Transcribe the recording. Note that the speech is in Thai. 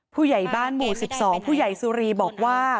ผู้ใหญ่บ้านหมู่๑๒ผู้ใหญ่สุรีบอกว่า